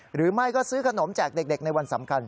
หรือไม่ก็ซื้อขนมแจกเด็กในวันสำคัญ